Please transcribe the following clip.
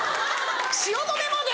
汐留まで！